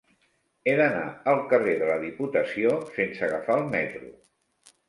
He d'anar al carrer de la Diputació sense agafar el metro.